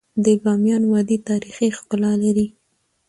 د بامیان وادی تاریخي ښکلا لري.